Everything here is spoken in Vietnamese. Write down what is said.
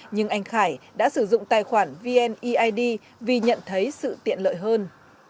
nhưng anh khải đã sử dụng tài khoản vneid vì nhận thấy sự tiện lợi hơn